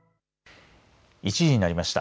１時になりました。